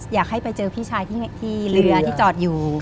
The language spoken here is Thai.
อยากให้ไปเจอพี่ชายที่เรือที่จอดอยู่